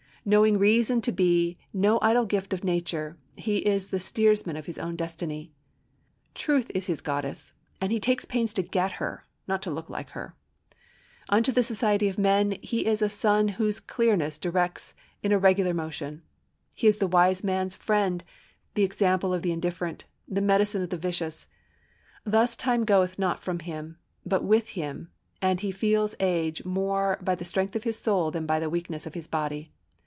Knowing reason to be no idle gift of nature he is the steersman of his own destiny. Truth is his goddess, and he takes pains to get her, not to look like her. Unto the society of men he is a sun whose clearness directs in a regular motion. He is the wise man's friend, the example of the indifferent, the medicine of the vicious. Thus time goeth not from him, but with him, and he feels age more by the strength of his soul than by the weakness of his body.